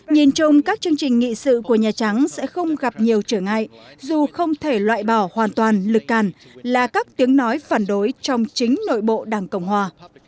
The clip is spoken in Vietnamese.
nhìn chung các chương trình nghị sự của nhà trắng sẽ không gặp nhiều trở ngại dù không thể loại bỏ hoàn toàn lực càn là các tiếng nói phản đối trong chính nội bộ đảng cộng hòa